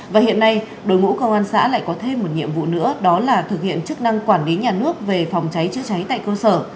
và hiện nay đội ngũ công an xã lại có thêm một nhiệm vụ nữa đó là thực hiện chức năng quản lý nhà nước về phòng cháy chữa cháy tại cơ sở